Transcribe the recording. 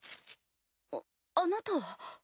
ああなたは？